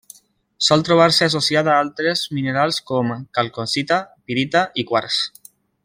Sol trobar-se associada a altres minerals com: calcocita, pirita i quars.